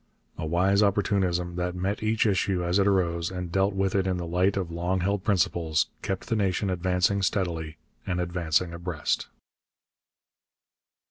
A wise opportunism, that met each issue as it arose and dealt with it in the light of long held principles, kept the nation advancing steadily and advancing abreast.